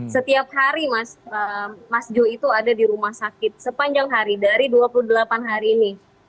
setiap hari mas jo itu ada di rumah sakit sepanjang hari dari dua puluh delapan hari ini